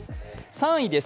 ３位です。